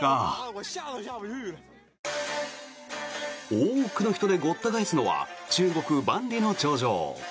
多くの人でごった返すのは中国・万里の長城。